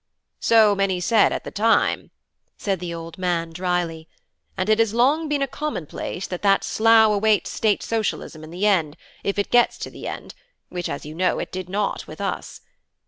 "So many said at the time," said the old man drily; "and it has long been a commonplace that that slough awaits State Socialism in the end, if it gets to the end, which as you know it did not with us.